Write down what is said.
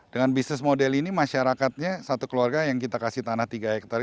dengan bisnis model ini masyarakatnya satu keluarga yang kita kasih tanah tiga hektare